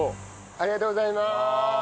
ありがとうございます。